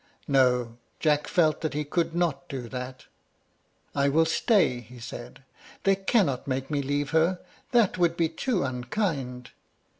No; Jack felt that he could not do that. "I will stay," he said; "they cannot make me leave her. That would be too unkind."